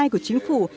của chính phủ